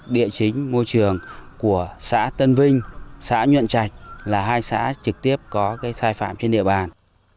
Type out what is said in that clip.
địa chính môi trường của xã tân vinh xã nhuận trạch là hai xã trực tiếp có sai phạm trên địa bàn